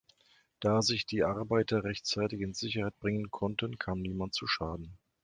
Da sich die Arbeiter rechtzeitig in Sicherheit bringen konnten, kam niemand zu Schaden.